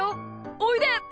おいで！